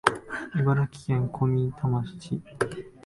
茨城県小美玉市